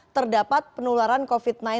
terdapat penularan covid sembilan belas